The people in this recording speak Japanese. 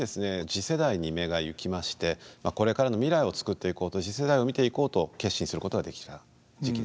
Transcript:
次世代に目が行きましてこれからの未来を作っていこうと次世代を見ていこうと決心することができた時期でした。